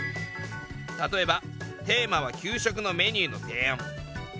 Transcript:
例えばテーマは「給食のメニューの提案」。